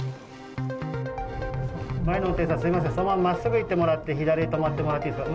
前の運転手さん、すみません、そのまままっすぐ行ってもらって、左に止まってもらっていいですか。